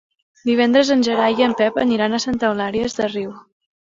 Divendres en Gerai i en Pep aniran a Santa Eulària des Riu.